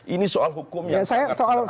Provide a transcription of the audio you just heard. ini soal hukum yang sangat sederhana